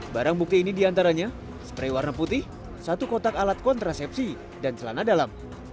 barang bukti ini diantaranya spray warna putih satu kotak alat kontrasepsi dan celana dalam